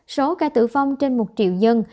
số ca tử vong trên một triệu dân